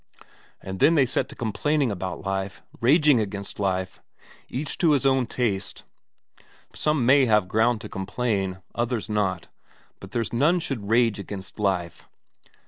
And then they set to complaining about life, raging against life! Each to his own taste; some may have ground to complain, others not, but there's none should rage against life.